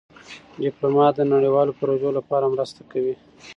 ډيپلومات د نړیوالو پروژو لپاره مرسته کوي.